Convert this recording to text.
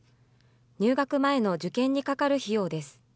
入学前の受験にかかる費用です。